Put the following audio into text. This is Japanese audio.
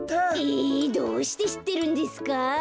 えどうしてしってるんですか？